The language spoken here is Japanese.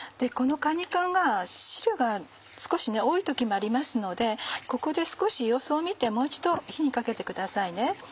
このかに缶が汁が少し多い時もありますのでここで少し様子を見てもう一度火にかけてください。